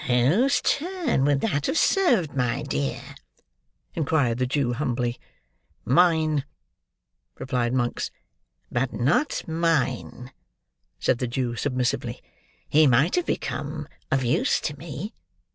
"Whose turn would that have served, my dear?" inquired the Jew humbly. "Mine," replied Monks. "But not mine," said the Jew, submissively. "He might have become of use to me.